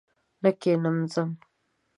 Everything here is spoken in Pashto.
نه کښېنم ځم!